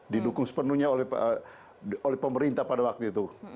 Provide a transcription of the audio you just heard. didukung sepenuhnya oleh pemerintah pada waktu itu